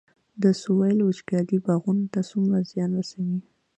د سویل وچکالي باغونو ته څومره زیان رسوي؟